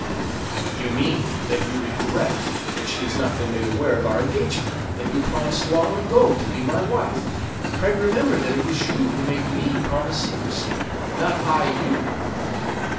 "You mean that you regret that she has not been made aware of our engagement that you promised long ago to be my wife. Pray remember that it was you who made me promise secrecy, not I you!"